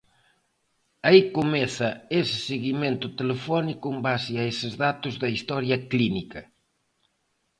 Aí comeza ese seguimento telefónico en base a eses datos da historia clínica.